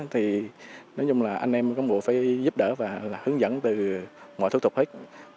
thì nói chung là anh em cán bộ phải giúp đỡ và hướng dẫn từ mọi thủ tục hết